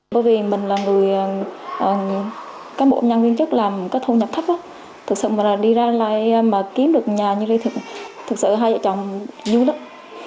bởi vì mình là người cán bộ nhân viên chức làm có thu nhập thấp á thật sự đi ra lại mà kiếm được nhà như thế thật sự hai vợ chồng vui lắm